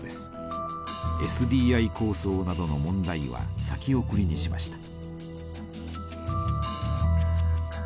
ＳＤＩ構想などの問題は先送りにしました。